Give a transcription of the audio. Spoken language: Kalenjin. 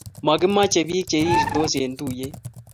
Makimache pik cherir tos en tuyet